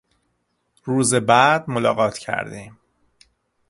روز بعد ملاقات کردیم.